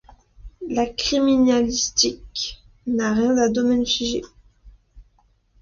La criminalistique n'a rien d'un domaine figé.